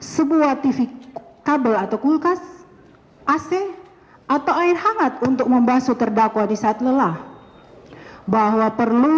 sebuah tv kabel atau kulkas ac atau air hangat untuk membasu terdakwa di saat lelah bahwa perlu